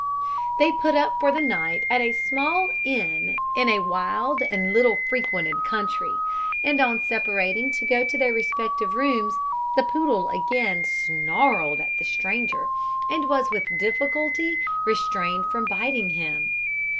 They put up for the night at a small inn in a wild and little frequented country; and on separating to go to their respective rooms, the poodle again snarled at the stranger, and was with difficulty restrained from biting him.